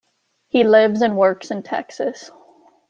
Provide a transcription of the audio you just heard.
He lives and works in Texas.